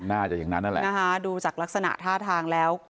น่าจะอย่างนั้นนั่นแหละนะคะดูจากลักษณะท่าทางแล้ว